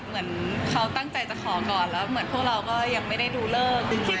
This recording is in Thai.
เหมือนเขาตั้งใจจะขอก่อนแล้วเหมือนพวกเราก็ยังไม่ได้ดูเลิก